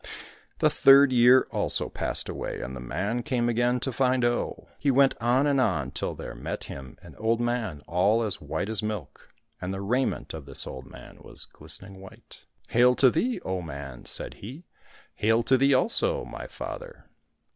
The third year also passed away, and the man came again to find Oh. He went on and on till there met him an old man all as white as milk, and the raiment of this old man was gHstening white. " Hail to thee, O man !" said he. —" Hail to thee also, my father